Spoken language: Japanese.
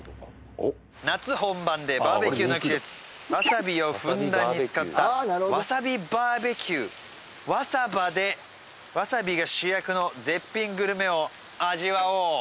おっ夏本番でバーベキューの季節わさびをふんだんに使ったわさびバーベキュー「ワサバ」でわさびが主役の絶品グルメを味わおう！